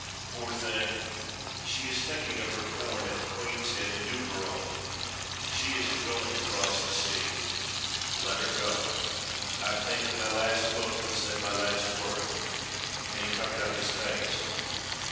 "Poor thing, she is thinking of her corn at the Queen's Head in Newborough. She isn't going across the sea let her go, I've taken my last look and said my last word;" and he covered up his face.